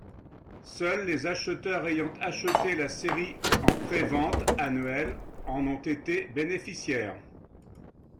Seuls les acheteurs ayant acheté la série en prévente annuelle en ont été bénéficiaires.